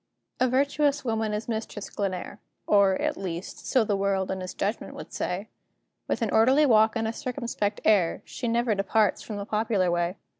A virtuous woman is Mistress Glenare Or, at least, so the world in its judgment would say; With an orderly walk and a circumspect air, She never departs from the popular way.